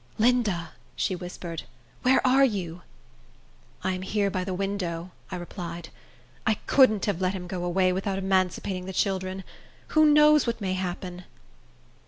"Linda," she whispered, "where are you?" "I am here by the window," I replied. "I couldn't have him go away without emancipating the children. Who knows what may happen?"